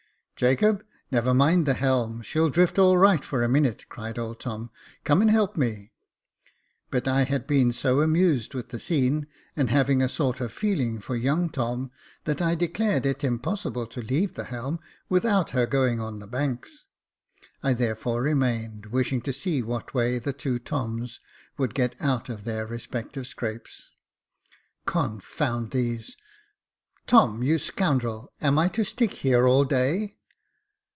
*' Jacob, never mind the helm, she'll drift all right for a minute ;" cried old Tom ;" come, and help me." But I had been so amused with the scene, and having a sort of feeling for young Tom, that I declared it impossible to leave the helm without her going on the banks. I therefore remained, wishing to see in what way the two Toms would get out of their respective scrapes. " Confound these ! Tom, you scoundrel, am I to stick here all day